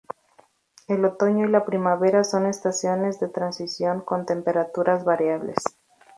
El otoño y la primavera son estaciones de transición con temperaturas variables.